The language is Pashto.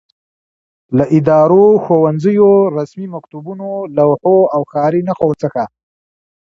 له ادارو، ښوونځیو، رسمي مکتوبونو، لوحو او ښاري نښو څخه